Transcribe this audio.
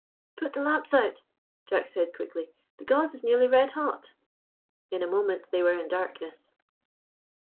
"Put the lamps out," Jack said quickly; "the gauze is nearly red hot." In a moment they were in darkness.